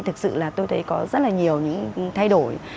thực sự là tôi thấy có rất là nhiều những thay đổi